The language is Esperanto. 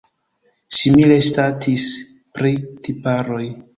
Simile statis pri tiparoj.